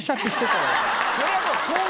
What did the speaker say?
それはもう。